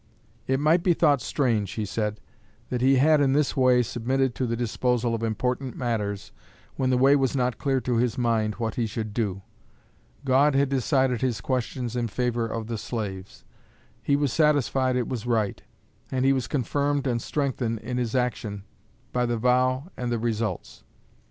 It might be thought strange, he said, that he had in this way submitted the disposal of important matters when the way was not clear to his mind what he should do. God had decided his questions in favor of the slaves. He was satisfied it was right; and he was confirmed and strengthened in his action by the vow and the results.